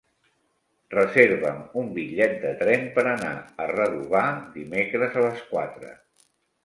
Reserva'm un bitllet de tren per anar a Redovà dimecres a les quatre.